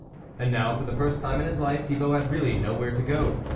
And now, for the first time in his life, Thibault had really nowhere to go.